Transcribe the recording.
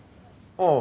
ああ。